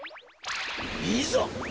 いざ！